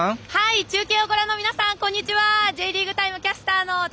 中継をご覧の皆さんこんにちは！